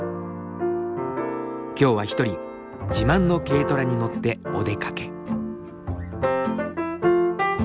今日は一人自慢の軽トラに乗ってお出かけ。